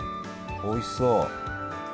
おいしそう。